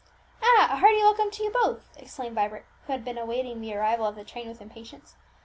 "Ah! a hearty welcome to you both!" exclaimed Vibert, who had been awaiting the arrival of the train with impatience.